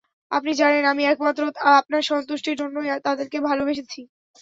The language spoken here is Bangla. আপনি জানেন, আমি একমাত্র আপনার সন্তুষ্টির জন্যই তাদেরকে ভালবেসেছি।